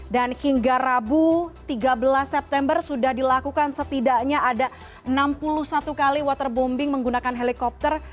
dan hingga rabu tiga belas september sudah dilakukan setidaknya ada enam puluh satu kali waterbombing menggunakan helikopter